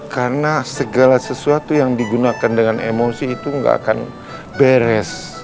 karena segala sesuatu yang digunakan dengan emosi itu gak akan beres